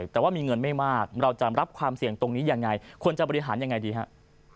แต่ว่ามีเงินไม่มากเราจะรับความเสี่ยงตรงนี้ยังไงควรจะบริหารยังไงดีครับ